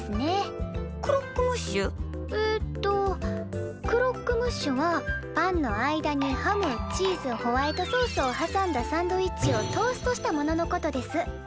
えっとクロックムッシュはパンの間にハムチーズホワイトソースをはさんだサンドイッチをトーストしたもののことです。